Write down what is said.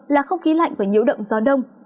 là không khí lạnh và nhiễu động gió đông